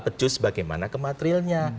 becus bagaimana kematerilnya